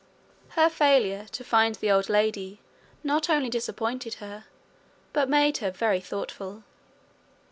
Her failure to find the old lady not only disappointed her, but made her very thoughtful.